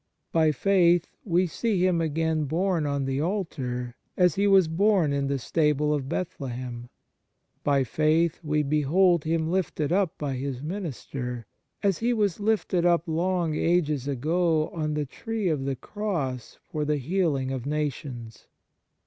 By faith we see Him again born on the altar, as He was born in the stable of Bethlehem. By i aith we behold Him lifted up by His minister, as He was lifted up long ages ago on the tree of the Cross for the healing of nations.